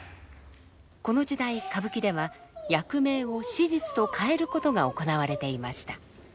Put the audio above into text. この時代歌舞伎では役名を史実と変えることが行われていました。